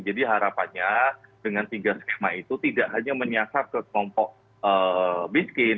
jadi harapannya dengan tiga skema itu tidak hanya menyasar ke kelompok miskin